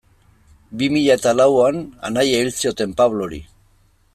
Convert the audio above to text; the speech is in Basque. Bi mila eta lauan anaia hil zioten Pablori.